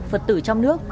phật tử trong nước